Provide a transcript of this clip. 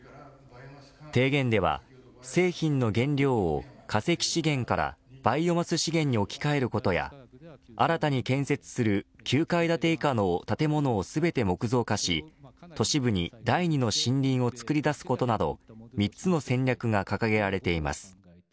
提言では、製品の原料を化石資源からバイオマス資源に置き換えることや新たに建設する９階建て以下の建物を全て木造化し、都市部に第二の森林を作り出すことなど３つの戦略が掲げられています。